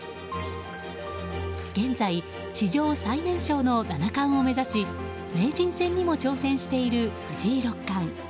現在、史上最年少の七冠を目指し名人戦にも挑戦している藤井六冠。